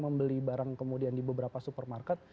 membeli barang kemudian di beberapa supermarket